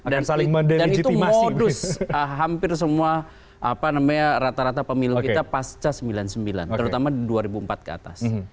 dan itu modus hampir semua rata rata pemilu kita pasca sembilan puluh sembilan terutama dua ribu empat ke atas